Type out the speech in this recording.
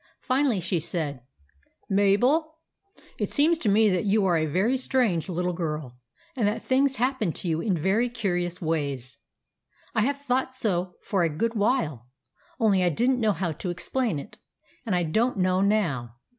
Finally she said :—" Mabel, it seems to me that you are a very strange little girl, and that things hap pen to you in very curious ways. I have thought so for a good while, only I did n't know how to explain it, and I don't know now.